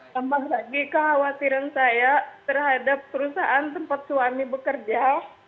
tambah lagi kekhawatiran saya terhadap perusahaan tempat suami bekerja